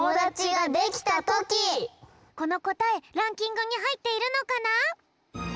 このこたえランキングにはいっているのかな？